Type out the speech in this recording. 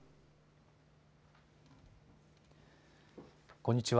こんにちは。